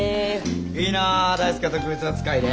いいな大介は特別扱いで。